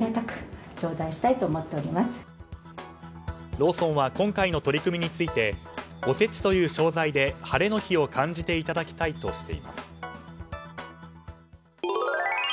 ローソンは今回の取り組みについておせちという商材で晴れの日を感じていただきたいとしています。